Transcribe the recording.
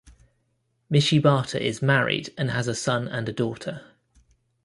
Michibata is married and has a son and a daughter.